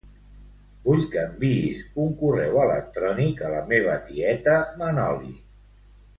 Vull que enviïs un correu electrònic a la meva tieta Manoli.